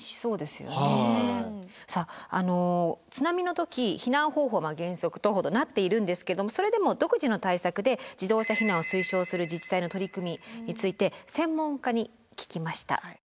さあ津波の時避難方法は原則徒歩となっているんですけどもそれでも独自の対策で自動車避難を推奨する自治体の取り組みについて専門家に聞きました。